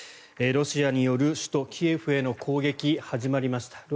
ロシアによる首都キエフへの攻撃始まりました。